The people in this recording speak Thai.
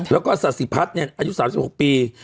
แล้วก็ศาสิพัฒน์อายุ๓๖ปี